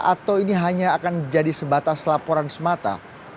atau ini hanya akan jadi sebatas laporan semata